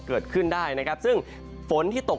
เกิดขึ้นได้นะครับซึ่งฝนที่ตก